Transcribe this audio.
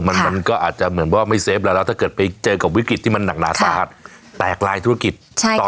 มันมันก็อาจจะเหมือนว่าไม่เฟฟแล้วแล้วถ้าเกิดไปเจอกับวิกฤตที่มันหนักหนาสาหัสแตกลายธุรกิจใช่ต่อ